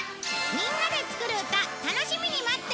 みんなで作る歌楽しみに待ってるよ！